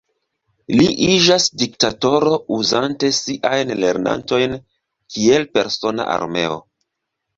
Li iĝas diktatoro uzante siajn lernantojn kiel persona armeo.